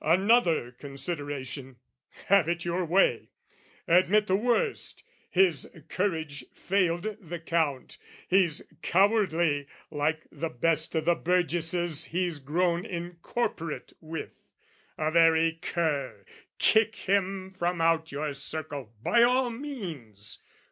Another consideration: have it your way! Admit the worst: his courage failed the Count, He's cowardly like the best o' the burgesses He's grown incorporate with, a very cur, Kick him from out your circle by all means!